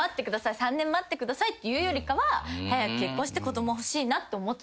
３年待ってくださいって言うよりかは早く結婚して子供ほしいなって思ってたんですけど。